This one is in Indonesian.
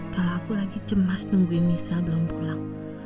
kalau aku lagi cemas nungguin misa belum pulang